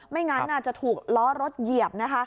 ไม่งั้นอาจจะถูกล้อรถเหยียบนะคะ